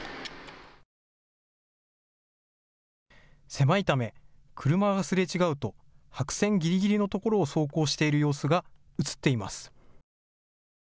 狭いため、車がすれ違うと白線ぎりぎりのところを走行している様子が映っています。